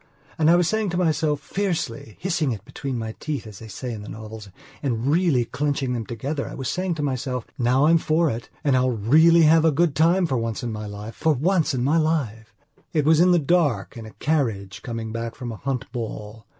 And I was saying to myself, fiercely, hissing it between my teeth, as they say in novelsand really clenching them together: I was saying to myself: 'Now, I'm in for it and I'll really have a good time for once in my lifefor once in my life!' It was in the dark, in a carriage, coming back from a hunt ball.